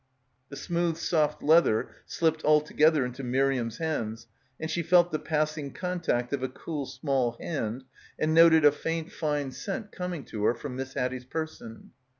The smooth soft leather slipped altogether into Miriam's hands and she felt the passing contact of a cool small hand and noted a faint fine scent coming to her from Miss Haddie's person.